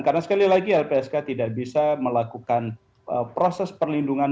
karena sekali lagi lpsk tidak bisa melakukan proses perlindungan